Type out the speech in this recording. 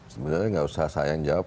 sebenarnya nggak usah sayang jawab